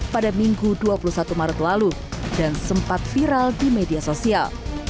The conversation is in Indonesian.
pada minggu dua puluh satu maret lalu dan sempat viral di media sosial